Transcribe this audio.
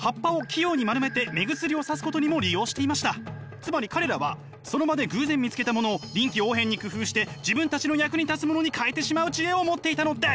つまり彼らはその場で偶然見つけたものを臨機応変に工夫して自分たちの役に立つものに変えてしまう知恵を持っていたのです！